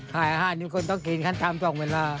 ขายอาหารที่คนต้องกินขั้นทางต้องเวลา